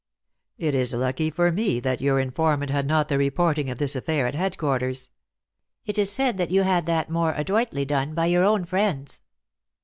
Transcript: "It is lucky for me that your informant had not the reporting of this affair at headquarters." " It is said that you had that more adroitly done by your own friends."